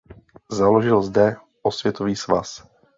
Založil zde "Osvětový svaz".